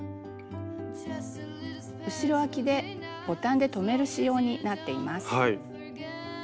後ろあきでボタンで留める仕様になっています。